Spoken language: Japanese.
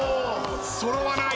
揃わない。